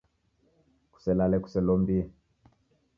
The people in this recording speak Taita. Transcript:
Kuselale kuselombie.